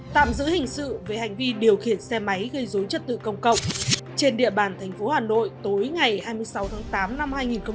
tạm giữ hình sự về hành vi điều khiển xe máy gây dối chất tự công cộng trên địa bàn tp hà nội tối ngày hai mươi sáu tháng tám năm hai nghìn hai mươi hai